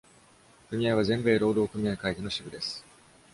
組合は全米労働組合会議の支部です。